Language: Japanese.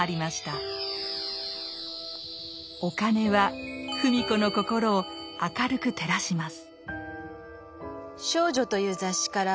お金は芙美子の心を明るく照らします。